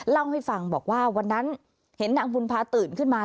เล่าให้ฟังบอกว่าวันนั้นเห็นนางบุญพาตื่นขึ้นมา